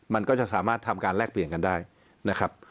มันก็จะสามารถทำการแลกเปลี่ยนกันได้นะครับ